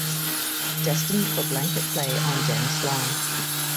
Destined for blanket play on Janice Long.